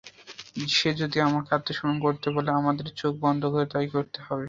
সে যদি আমাদের আত্মসমর্পণ করতে বলে আমাদের চোখ বন্ধ করে তাই করতে হয়।